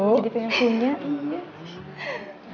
jadi pengen punya